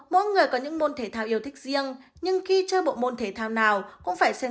mỗi người có những môn thể thao yêu thích riêng nhưng khi chơi bộ môn thể thao nào cũng phải xem